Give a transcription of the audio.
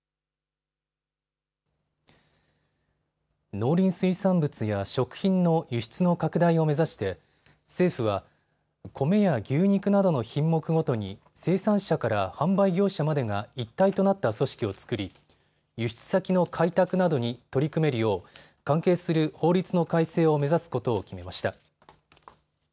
農林水産物や食品の輸出の拡大を目指して政府はコメや牛肉などの品目ごとに生産者から販売業者までが一体となった組織を作り輸出先の開拓などに取り組めるよう関係する法律の改正を目指すことを決めました。